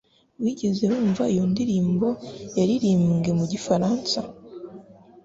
Wigeze wumva iyo ndirimbo yaririmbwe mu gifaransa?